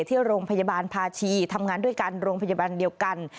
ที่โรงพยาบาลภาชีทำงานด้วยกันโรงพยาบาลเดียวกัน